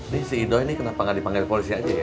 nih si idoi kenapa nggak dipanggil polisi aja ya